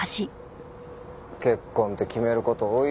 結婚って決める事多いよな。